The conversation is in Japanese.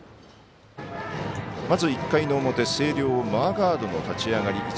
まず１回の表星稜、マーガードの立ち上がり。